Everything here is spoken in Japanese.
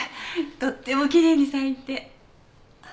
とっても奇麗に咲いて。